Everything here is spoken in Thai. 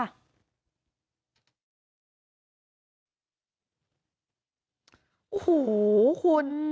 โอ้โหคุณ